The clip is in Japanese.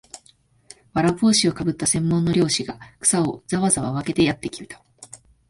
簔帽子をかぶった専門の猟師が、草をざわざわ分けてやってきました